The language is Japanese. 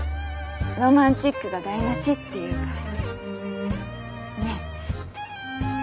ロマンチックが台なしっていうか。ねぇ？